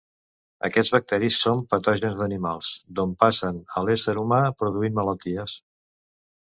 Aquests bacteris són patògens d'animals, d'on passen a l'ésser humà produint malalties.